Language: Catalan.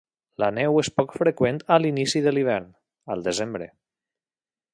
La neu és poc freqüent a l'inici de l'hivern, al desembre.